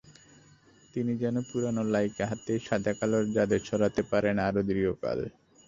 তিনি যেন পুরোনো লাইকা হাতেই সাদাকালোর জাদু ছড়াতে পারেন আরও দীর্ঘকাল।